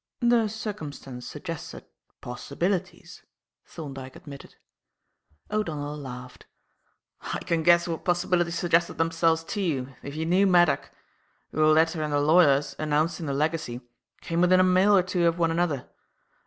"The circumstance suggested possibilities," Thorndyke admitted. O'Donnell laughed. "I can guess what possibilities suggested themselves to you, if you knew Maddock. Your letter and the lawyer's, announcing the legacy, came within a mail or two of one another.